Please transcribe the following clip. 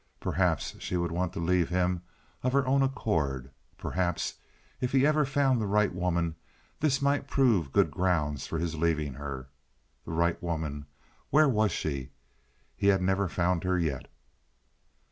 Perhaps she would want to leave him of her own accord. Perhaps, if he ever found the right woman, this might prove good grounds for his leaving her. The right woman—where was she? He had never found her yet.